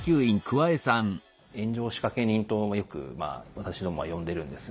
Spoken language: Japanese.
炎上仕掛け人とよくまあ私どもは呼んでるんですが。